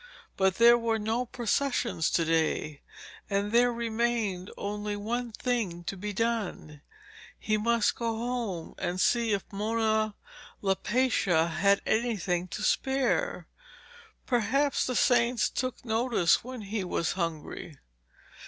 But there were no processions to day, and there remained only one thing to be done. He must go home and see if Mona Lapaccia had anything to spare. Perhaps the saints took notice when he was hungry.